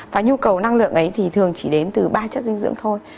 và nhu cầu năng lượng ấy thì thường chỉ đến từ ba chất dinh dưỡng thôi